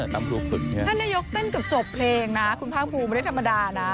ท่านนายกเต้นกับจบเพลงนะคุณภาคภูมิเราไม่ได้ธรรมดานะ